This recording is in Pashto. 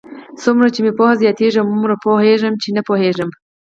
څومره چې مې پوهه زیاتېږي، هومره پوهېږم؛ چې نه پوهېږم.